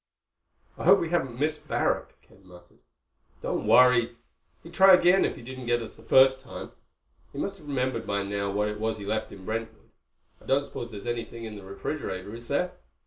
"I hope we haven't missed Barrack," Ken muttered. "Don't worry. He'd try again if he didn't get us the first time. He must have remembered by now what it was he left in Brentwood. I don't suppose there's anything in the refrigerator, is there?"